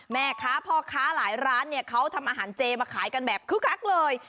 แม่ค้าพ่อค้าหลายร้านเนี่ยเขาทำอาหารเจมาขายกันแบบคึกคักเลย